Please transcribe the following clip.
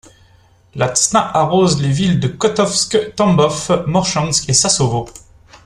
La Tsna arrose les villes de Kotovsk, Tambov, Morchansk et Sassovo.